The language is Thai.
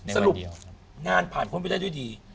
สรุปงานผ่านพ้นไปได้ด้วยดี